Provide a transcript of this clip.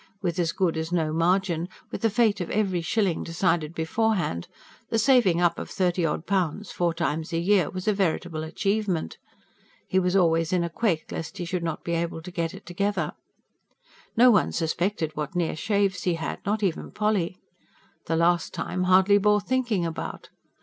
With as good as no margin, with the fate of every shilling decided beforehand, the saving up of thirty odd pounds four times a year was a veritable achievement. He was always in a quake lest he should not be able to get it together. No one suspected what near shaves he had not even Polly. The last time hardly bore thinking about.